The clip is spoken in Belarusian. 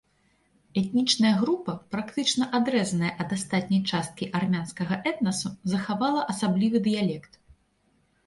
Этнічная група, практычна адрэзаная ад астатняй часткі армянскага этнасу, захавала асаблівы дыялект.